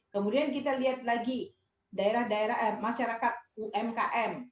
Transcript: kemudian kita lihat lagi daerah daerah masyarakat umkm